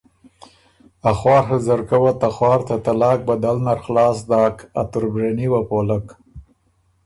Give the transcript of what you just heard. اخواڒه ځرکۀ وه ته خوار ته طلاق بدل نرخلاص داک، ا تُربرېني وه پولک۔